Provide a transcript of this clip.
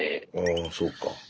あそうか。